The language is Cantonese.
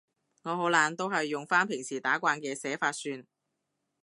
我好懶，都係用返平時打慣嘅寫法算